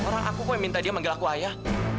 orang aku kok yang minta dia manggil aku ayah